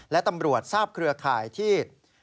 และตำรวจทราบเครือข่ายที่